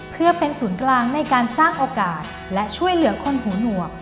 เพื่อเป็นศูนย์กลางในการสร้างโอกาสและช่วยเหลือคนหูหนวก